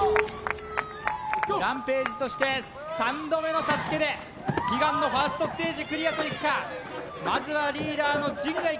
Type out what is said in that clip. ＲＡＭＰＡＧＥとして３度目のＳＡＳＵＫＥで悲願のファーストステージクリアといくか陣さん